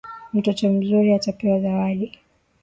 Mtoto mzuri atapewa zawadi.